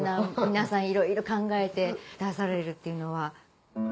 皆さんいろいろ考えて出されるっていうのは。